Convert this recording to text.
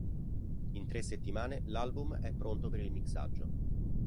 In tre settimane l'album è pronto per il mixaggio.